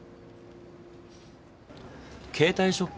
携帯ショップ？